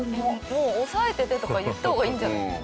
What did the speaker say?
もう「押さえてて」とか言った方がいいんじゃない？